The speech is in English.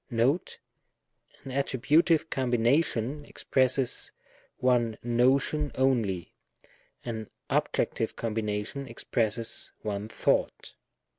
Note. An attributive combination expresses one notion only, an objectiye combination expresses one thought.